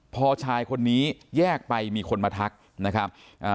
พอชายคนนี้แยกไปมีคนมาทักนะครับอ่า